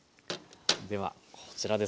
ではこちらです。